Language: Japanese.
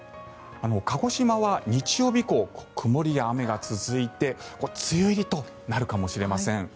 鹿児島は日曜日以降曇りや雨が続いて梅雨入りとなるかもしれません。